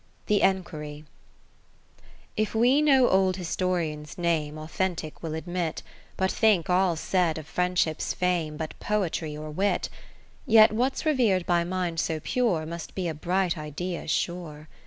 The Enquiry I If we no old historian's name Authentic will admit, But think all said of Friendship's fame But Poetry or Wit : Yet what's rever'd by minds so pure, Must be a bright Idea sure.